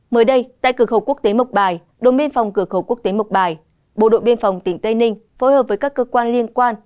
mới đây tại cửa khẩu quốc tế mộc bài đồn biên phòng cửa khẩu quốc tế mộc bài bộ đội biên phòng tỉnh tây ninh phối hợp với các cơ quan liên quan